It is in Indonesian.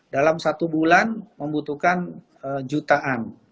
dalam satu bulan membutuhkan jutaan